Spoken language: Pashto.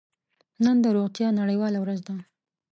نن د روغتیا نړیواله ورځ ده.